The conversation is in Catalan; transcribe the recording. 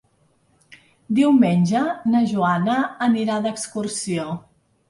Diumenge na Joana anirà d'excursió.